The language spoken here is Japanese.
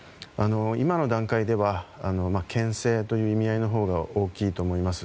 今の段階では牽制という意味合いのほうが大きいと思います。